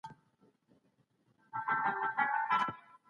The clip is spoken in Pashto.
انار د وینې د کمښت مخه نیسي.